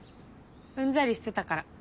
うんざりしてたから。